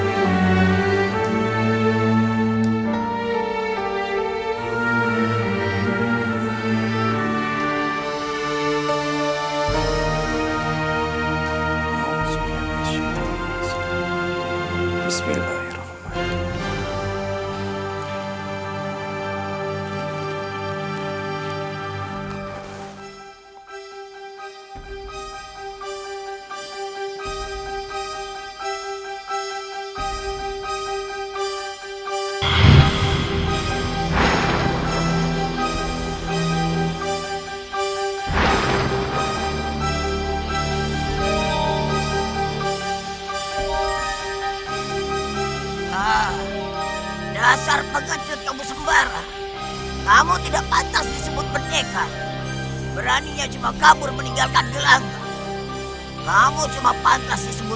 kamu cuma pantas disebut tikus pengecut buruk